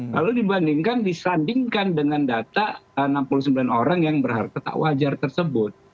kalau dibandingkan disandingkan dengan data enam puluh sembilan orang yang berharga tak wajar tersebut